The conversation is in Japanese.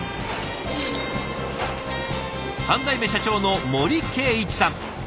３代目社長の森敬一さん。